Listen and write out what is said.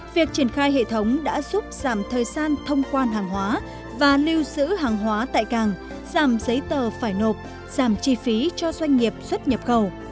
việc triển khai hệ thống đã giúp giảm thời gian thông quan hàng hóa và lưu sử hàng hóa tại càng giảm giấy tờ phải nộp giảm chi phí cho doanh nghiệp xuất nhập khẩu